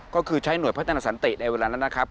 ก็คือใช้หน่วยพัฒนาสันติในเวลานั้นนะครับ